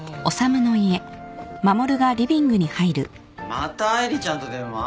また愛梨ちゃんと電話？